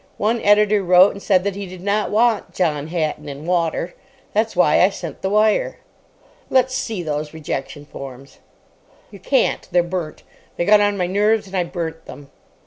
One editor wrote and said that he did not want John Hatton and water. That's why I sent the wire." "Let's see those rejection forms." "You can't. They're burnt. They got on my nerves, and I burnt them."